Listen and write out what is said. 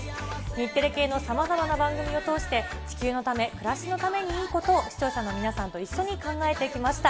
日テレ系のさまざまな番組を通して、地球のため、暮らしのためにいいことを視聴者の皆さんと一緒に考えてきました。